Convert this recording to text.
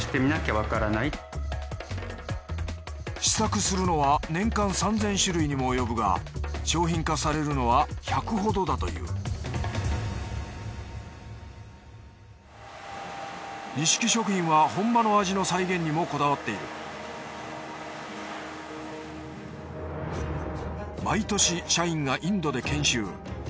試作するのは年間３，０００種類にも及ぶが商品化されるのは１００ほどだというにしき食品は本場の味の再現にもこだわっている毎年社員がインドで研修。